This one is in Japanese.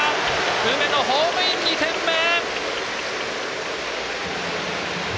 梅野、ホームイン、２点目！